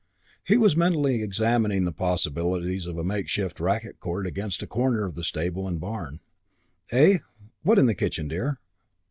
He was mentally examining the possibilities of a makeshift racket court against a corner of the stable and barn. "Eh, what in the kitchen, dear?"